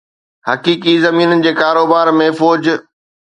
حقيقي زمينن جي ڪاروبار ۾ فوج